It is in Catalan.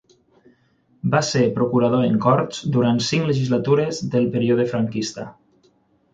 Va ser Procurador en Corts durant cinc legislatures del període franquista.